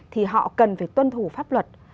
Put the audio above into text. thì họ cần phải tuân thủ pháp luật